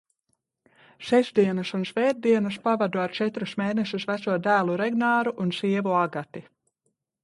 Sestdienas un svētdienas pavadu ar četrus mēnešus veco dēlu Regnāru un sievu Agati.